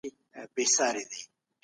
امن مهم دی.